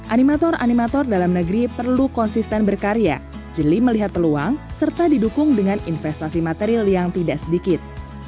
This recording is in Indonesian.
animator animator dalam negeri perlu konsisten berkarya jeli melihat peluang serta didukung dengan investasi material yang tidak sedikit